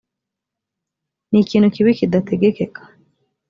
ni ikintu kibi kidategekeka